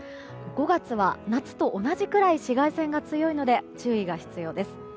５月は夏と同じくらい紫外線が強いので注意が必要です。